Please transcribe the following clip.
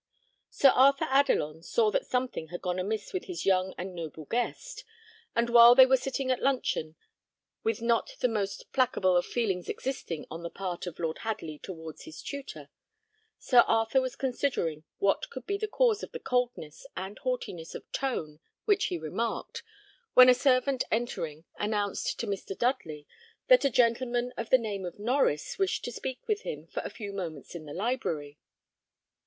Sir Arthur Adelon saw that something had gone amiss with his young and noble guest; and while they were sitting at luncheon, with not the most placable of feelings existing on the part of Lord Hadley towards his tutor, Sir Arthur was considering what could be the cause of the coldness and haughtiness of tone which he remarked, when a servant entering announced to Mr. Dudley that a gentleman of the name of Norries wished to speak with him for a few moments in the library.